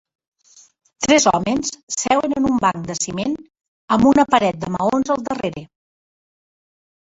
Tres homes seuen en un banc de ciment amb una paret de maons al darrere